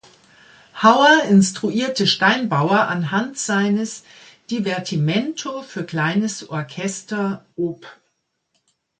Hauer instruierte Steinbauer anhand seines "Divertimento für kleines Orchester" op.